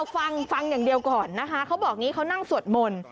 ฟังฟังอย่างเดียวก่อนนะคะเขาบอกอย่างนี้เขานั่งสวดมนต์